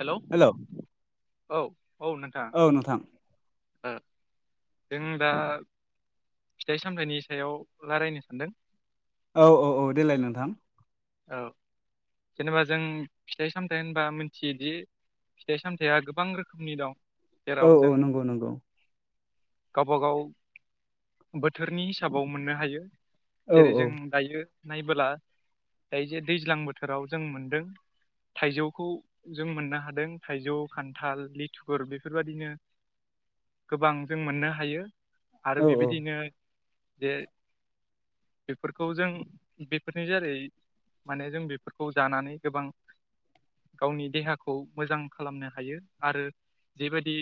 Hello hello औ औ नोंथां। ओ जों दा। फिथाइ सामथाइनि सायाव लायरायनो सानदों औ औ औ देलाय नोंथां। औ जेनेबा जों फिथाइ सामथाइ होनबा मिथियोदि फिथाइ सामथाया गोबां रोखोमनि दं औ जेराव औ जों नोंगौ नोंगौ। गावबा गाव बोथोरनि हिसाबाव मोननो हायो औ जेरै औ जों दायो नायबोला ओइ जो दैज्लां बोथोराव जों मोनदों थाइजौखौ जों मोननो हादों थाइजौ खान्थाल लिथुगुर बेफोरबायदिनो गोबां जों मोननो हायो आरो औ औ बेबायदिनो जे बेफोरखौ जों बेफोरनि जारै माने जों बेफोरखौ जानानै गोबां गावनि देहाखौ मोजां खालामनो हायो आरो जेबादि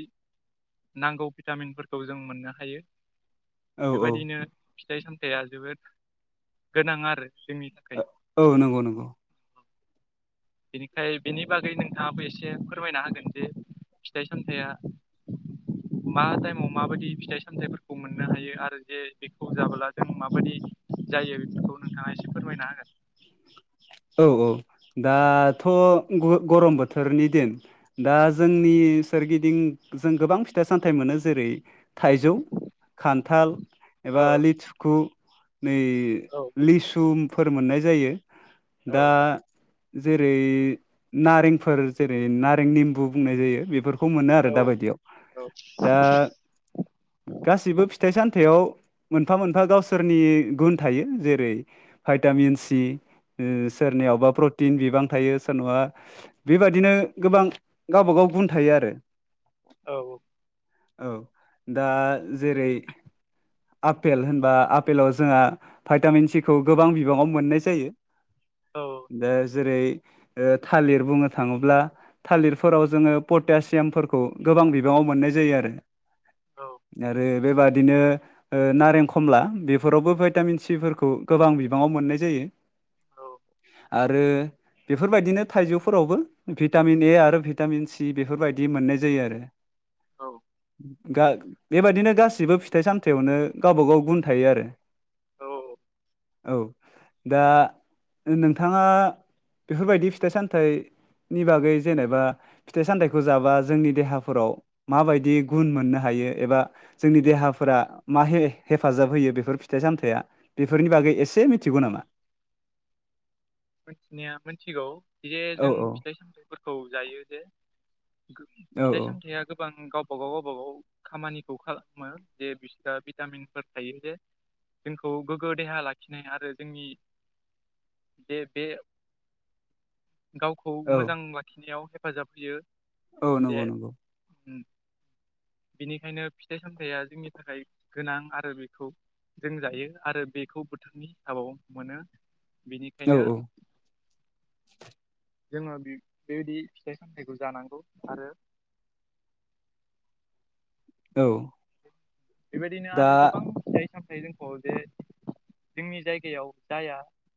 नांगौ भिटामिनफोरखौ जों मोननो हायो औ बेबायदिनो फिथाइ सामथाया जोबोद गोनां आरो जोंनि औ थाखाय औ नोंगौ नोंगौ बेनिखाय बेनि बागै नोंथाङाबो एसे फोरमायना होगोन जे फिथाइ सामथाया मा टाइमाव माबायदि फिथाइ सामथाइफोरखौ मोननो हायो आरो जे बेखौ जाबोला जों माबायदि जायो बेफोरखौ नोंथाङा एसे फोरमायना होगोन अ दाथ ग गरम बोथोरनि दिन दा जोंनि सोरगि गिदिं जों गोबां फिथाइ सामथाइ मोनो जेरै थाइजौ खान्थाल एबा लिथुखु नै ओ लिसुमफोर मोननाय जायो औ दा जेरै नारेंफोर जेरै नारें निम्बु बुंनाय जायो बेफोर खौ मोनो आरो दा औ बायदियाव औ दा गासिबो फिथाइ सामथायाव मोनफा मोनफा गावसोरनि गुन थायो जेरै भाइटामिन सि ओ सोरनियावबा प्रटिन बिबां थायो सोरनावबा बेबादिनो गोबां गावबा गाव गुन थायो आरो औ दा जेरै आपेल होनबा आपेलाव जोंहा भाइटामिन सिखौ गोबां बिबाङाव मोननाय जायो औ दस जेरै ओ थालिर बुंनो थाङोब्ला थालिरफोराव जोङो पटासियामफोरखौ गो गोबां बिबाङाव मोननाय जायो आरो आरो बेबादिनो ओ नारें खमला बेफोरावबो भाइटामिन सिफोरखौ गोबां बिबाङाव मोननाय जायो औ आरो बेफोरबायदिनो थाइजौफोरावबो भिटामिन ए आरो भिटामिन सि बेफोरबायदि मोननाय जायो आरो औ गाग बेबादिनो गासिबो फिथाइ सामथायावनो गावबा गाव गुन थायो आरो औ औ औ दा नोंथाङा बेफोरबायदि फिथाइ सामथाइ नि बागै जेनेबा फिथाइ सामथाइखौ जाबा जोंनि देहाफोराव माबायदि गुन मोननो हा यो एबा जोंनि देहाफोरा मा हे हेफाजाब होयो बेफोर फिथाइ सामथाया बेफोरनि बागै एसे मिथिगौ नामा मिथिनाया मिथिगौ जे औ जों औ फिथाइ सामथाइफोरखौ जायो जे औ फिथाइ सामथायाइया गोबां गावबागाव गावबा गाव खामानिखौ खालामो जे बिसोरो भिटामिनफोर थायो जे जोंखौ गोग्गो देहा लाखिनाय आरो जोंनि बे बे गावखौ औ मोजां लाखिनायाव हेफाजाब होयो औ नंगौ नंगौ बेनिखायनो फिथाइ सामथायाइया जोंनि थाखाय गोनां आरो बेखौ जों जायो आरो बेखौ बोथोरनि हाबायाव मोनो औ बेनिखायनो औ जोङो बेबायदि फिथाइ सामथाइखौ जानांगौ आरो [inaudible] औ। बेबायदिनो दा आरो गोबां फिथाय सामथाय [unintelligible] जे। जोंनि जायगायाव जाया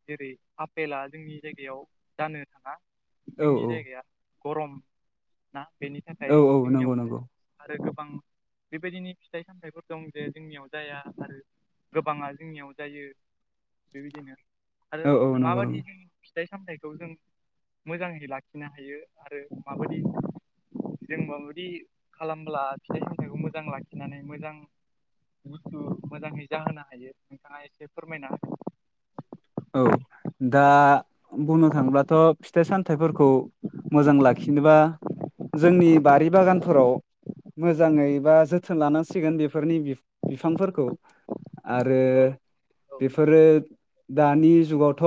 जेरै आफपेला जोंनि जायगायाव जानो थाङा। औ जोंनि जायगाया गरम। ना बेनि थाखाय औ औ जोंनियाव नंगौ नंगौ आरो गोबां बेबायदिनि फिथाइ सामथायफोर दं जे जोंनियाव जाया आरो गोबाङा जोंनियाव जायो। बेबायदिनो आरो औ औ नंगौ माबादि नंगौ जों फिथाइ सामथाइखौ जों मोजाङै लाखिनो हायो आरो माबायदि जों माबायदि खालामब्ला फिथाइ सामथाइखौ मोजां लाखिनानै मोजां बुस्थु मोजाङै जाहोनो हायो नोंथाङा एसे फोरमायना औ दा बुंनो थांब्लाथ' फिथाइ सामथाइफोरखौ मोजां लाखिनोबा जोंनि बारि बागानफोराव मोजाङै बा जोथोन लानांसिगोन बेफोरनि बिफांफोरखौ आरो हो। औ बेफोरो दानि जुगावथ'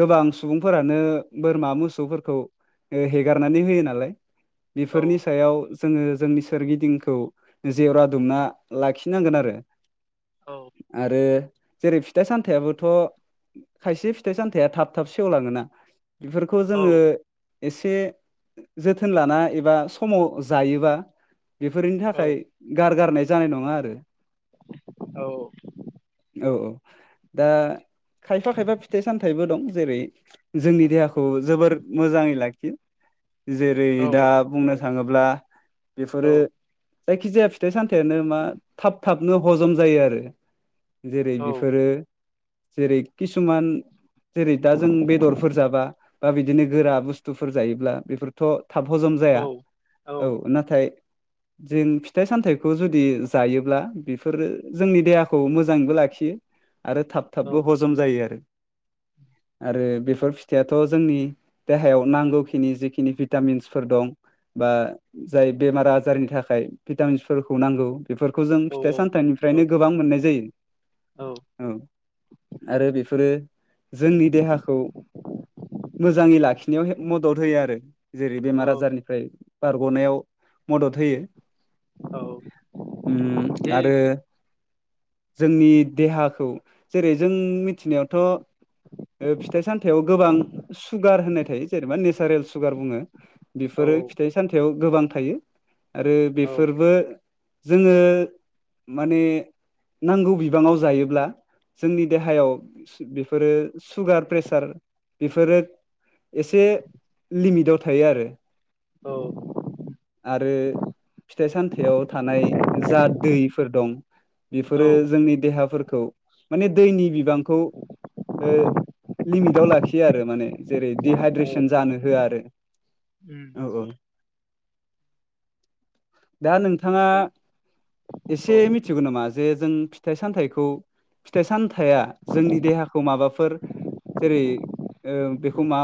गोबां सुबुंफोरानो बोरमा मोसौफोरखौ हेगारनानै होयो नालाय। बेफोरनि सायाव जोङो जोंनि सोरगिदिंखौ जेवरा दुमना लाखिनांगोन आरो। औ आरो जेरै फिथाइ सामथायाबोथ'। खायसे फिथाइ सामथाया थाब थाब सेवलाङोना। बेफोरखौ औ जोङो औ एसे जोथोन लाना एबा समाव जायोबा बेफोरनि थाखाय औ गारगारनाय जानाय नङा आरो। औ औ औ। दा खायफा खायफा फिथाइ सामथाइबो दं जेरै जोंनि देहा खौ जोबोर मोजाङै लाखियो। जेरै औ दा बुंनो थाङोब्ला औ बेफोरो जायखिजाया फिथाइ सामथायानो मा थाब थाबनो हजम जायो आरो। जेरै बेफोरो जेरै किसुमान जेरै दा जों बेदरफोर जाबा बा बिदिनो गोरा बुस्थुफोर जायोब्ला बेफोरथ'। थाब हजम औ जाया औ नाथाय। जों फिथाइ सामथाइखौ जुदि जायोब्ला बेफोरो जोंनि देहाखौ मोजाङैबो लाखियो। आरो थाब औ थाबबो हजम जायो आरो। [inaudible] आरो बेफोर फिथाइथ' जोंनि देहायाव नांगौखिनि जिखिनि भिटामिन्सफोर दं। बा जाय बेमार आजारनि थाखाय भिटामिन्सफोरखौ नांगौ। बेफोरखौ जों फिथाइ सामथाइनिफ्रायनो गोबां मोननाय जायो औ औ। आरो बेफोरो जोंनि देहाखौ मोजाङै लाखिनायाव मदद होयो आरो। जेरै औ बेमार आजारनिफ्राय बारग'नायाव मदद होयो। औ उ जे आरो जोंनि देहाखौ जेरै जों मिथिनायावथ' ओ फिथाइ सामथायाव गोबां सुगार होननाय थायो जेनेबा नेसारेल सुगार बुङो। औ बेफोरो फिथाइ सामथायाव गोबां थायो आरो औ बेफोरबो जोङो माने नांगौ बिबाङाव जायोब्ला जोंनि देहायाव बेफोरो सुगार प्रेसार बेफोरो एसे लिमिट आव थायो आरो। औ। आरो बेफोरो जोंनि देहाफोरखौ माने दैनि बिबांखौ लिमिटाव लाखियो आरो माने जेरै दिडहाइद्रेसन औ जानो होआ आरो उम [inaudible] औ औ दा नों जे औ जों फिथाइ सामथाइखौ फिथाइ सामथाइया जोंनि देहाखौ माबाफोर सेर बेखौ मा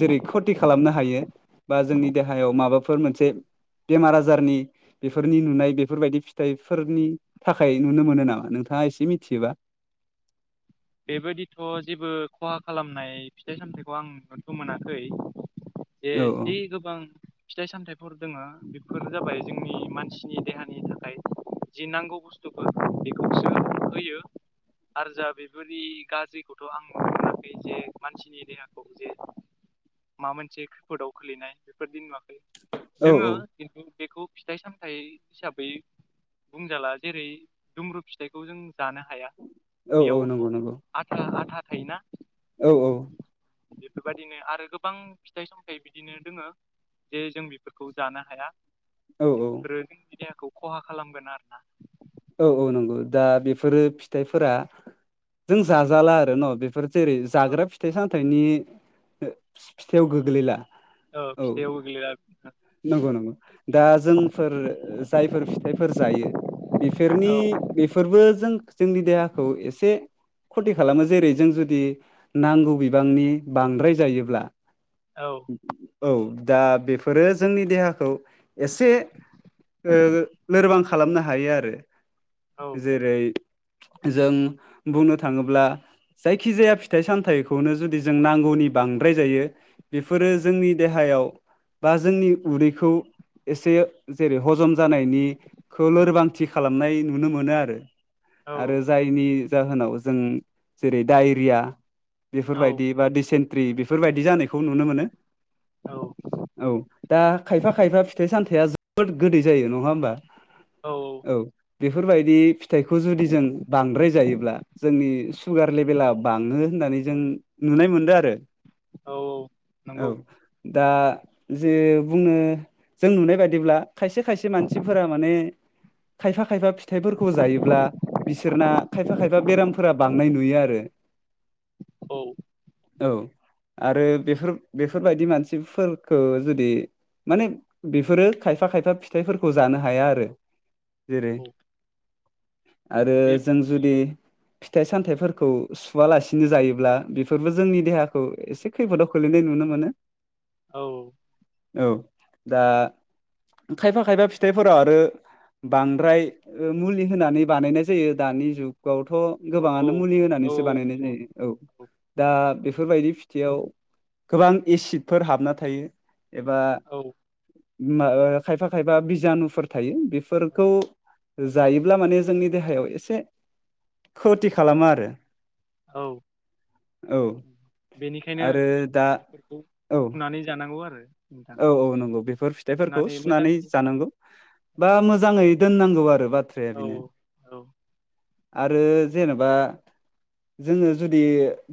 जेरै खथि खालामनो हायो बा जोंनि देहा [inaudible] गाहायाव माबाफोर मोनसे बेमार आजारनि बेफोरनि नुनाय बेफोरबायदि फिथाइफोरनि थाखाय नुनो मोनो नामा नोंथां सा एसे मिथियोबा [inaudible] बेबायदिथ' जेबो खहा खालामनाय फिथाइ सामथाइखौ आं नुथ' मोनाखै दे औ जि गोबां फिथाइ सामथाय टर दोङो बेफोर जाबाय जोंनि मानसिनि देहानि थाखाय जि नांगौ बुस्थुफोर बेखौसो होयो आरो जा बे [inaudible] बोरै गाज्रिखौथ' आं नुनो मोनाखै जे मानसिनि देहाखौ जे [inaudible] माबा मोनसे औ औ खैफोदाव फिथाइ सामथायाइ हिसाबै बुंजाला जेरै दुमब्रु फिथाइखौ जों जानो हाया औ औ नंगौ नंगौ औ औ बेफोरबायदिनो जे जों बेफोरखौ जानो हाया औ बेफोरो नों मिडियाखौ खहा खालामगोन आरो ना [inaudible] औ औ नंगौ दा बेफोरो फिथाइफोरा जों जाजाला आरो न' बेफोर जेरै औ जाग्रा फिथाइ सामथाइनि फिथाइआव गोग्लैला औ नंगौ नंगौ दा जोंफोर जायफोर फिथाइफोर जायो बेफोरनि औ बेफोरबो जों जोंनि देहाखौ इसे खथि खालामो जेरै जों जुदि नांगौ बिबांनि बांद्राय जायोब्ला औ औ दा बेफोरो जोंनि देहाखौ [inaudible] एसे लोरबां खालामनो हायो आरो औ जेरै जों बुंनो थाङोब्ला [inaudible] जायखि जाया फिथाइ औ बेफोरो एसे जेरै हजम जानायनि आरो जायनि जाहोनाव जों जेरै डायरिया औ बेफोरबायदि बा दिसेनत्रि बेफोरबायदि जानायखौ नुनो मोनो औ औ दा खायफा खायफा फिथाइ सामथायाइा जोबोद गोदै जायो नङा होमबा [inaudible] औ बेफोरबायदि फिथाइखौ जुदि जों बाद्राय जायोब्ला जोंनि सुगार लेबेल आ बाङो होननानै जों नुनाय मोनदों आरो। औ औ औ नंगौ। दा जे बुंनो। जों नुनाय बायदिब्ला खायसे खायसे मानसिफोरा माने खायफा खायफा खायफा फिथाइफोरखौ जायोब्ला बिसोरना खायफा खायफा बेरामफोरा बांनाय नुयो आरो [unintelligible] औ आरो बेफोर बेफोरबायदि मानसिफोरखौ जुदि माने बेफोरो खायफा खायफा फिथाइफोरखौ जानो हाया आरो जेरै औ आरो बे जों जुदि फिथाइ सामथाइफोरखौ सुवालासिनो जायोब्ला बेफोरबो जोंनि देहाखौ एसे खैफोदाव खोलैनाय नुनो मोनो औ औ दा खायफा खायफा फिथाइफोरााव आरो बांद्राय मुलि होनानै बानायनाय जायो दानि जुग थ' औ औ गोबाङनो म औ होननानै बानायनाय जायो औ दा बेफोरबायदि फिथाइयाव गोबां एसिडफोर हाबना थायो एबा औ मा खायफा खायफा बिजानुफोर थायो औ बेफोरखौ जायोब्ला माने जोंनि देहायाव एसे खथि खालामा आरो औ औ बेनिखायनो आरो दा बेफोरखौ औ सुनानै जानांगौ आरो नोंथां औ औ नंगौ बेफोर फिथाइफोरखौ सुनानै जानांगौ बा मोजाङै दोननांगौ आरो बाथ्राया औ बेनो औ आरो जेनेबा जोङो जुदि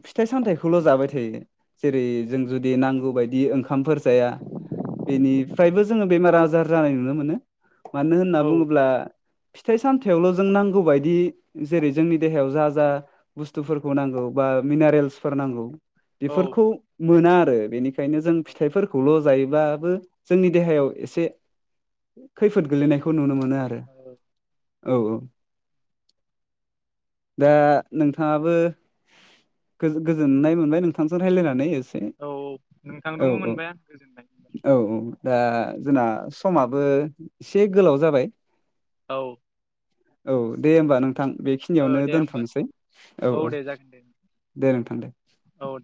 फिथाइ सामथायाइखौल' जाबाय थायो जेरै जों जुदि नांगौ बायदि ओंखामफोर जाया बेनिफ्रायबो जोङो बेमार आजार जानाय नुनो मोनो मानो होनना औ बुङोब्ला फिथाइ सामथायावल' जों नांगौ बायदि जेरै जोंनि देहायाव जा जा बुस्थुफोरखौ नांगौ बा मोनारेलस फोर नांगौ औ जायोबाबो जोंनि देहायाव एसे खैफोद गोलैनायखौ नुनो मोनो आरो औ औ औ दा नोंथाङाबो गोजोननाय मोनबाय नोंथांजों रायज्लायनानै एसे औ औ नोंथां औ दङ औ मोनबाय आं गोजोनबाय औ औ दा जोंना समाबो एसे गोलाव जाबाय औ औ दे होमबा नों नोंथां ओ बेखिनियावनो दे होमबा दोनथ'नोसै औ औ दे जागोन दे दे नोंथां दे औ